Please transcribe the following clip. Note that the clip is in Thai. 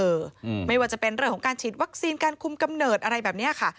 อืมไม่ว่าจะเป็นเรื่องของการฉีดวัคซีนการคุมกำเนิดอะไรแบบเนี้ยค่ะ